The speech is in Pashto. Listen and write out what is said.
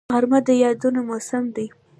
غرمه د یادونو موسم دی